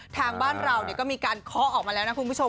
ทางบ้านเราก็มีการเคาะออกมาแล้วนะคุณผู้ชม